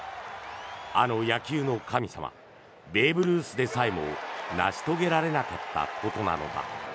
あの野球の神様ベーブ・ルースでさえも成し遂げられなかったことなのだ。